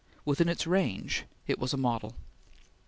Within its range it was a model.